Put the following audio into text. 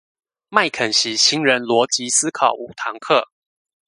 麥肯錫新人邏輯思考五堂課